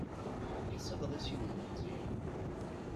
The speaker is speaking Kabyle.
Ḥsiɣ d asiwel n Meẓyan.